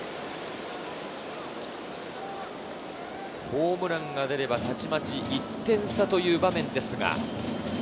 ホームランが出れば、たちまち１点差という場面です。